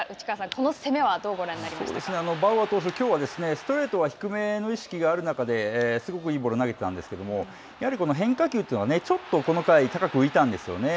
この攻めはバウアー投手、きょうはストレートの低めの意識がある中ですごくいいボールを投げてたんですけれども、やはりこの変化球というのはちょっとこの回高く浮いたんですよね。